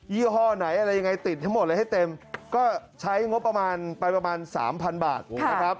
ี่ห้อไหนอะไรยังไงติดให้หมดเลยให้เต็มก็ใช้งบประมาณไปประมาณสามพันบาทนะครับ